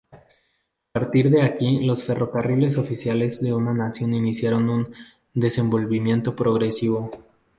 A partir de aquí los ferrocarriles oficiales de la Nación iniciaron un desenvolvimiento progresivo.